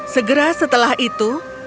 segera setelah itu